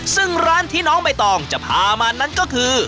ซึ่งร้านที่น้องใบตองจะพามานั้นก็คือ